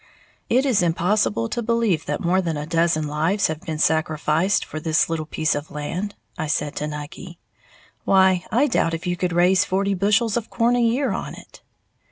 "It is impossible to believe that more than a dozen lives have been sacrificed for this little piece of land," I said to Nucky, "why, I doubt if you could raise forty bushels of corn a year on it."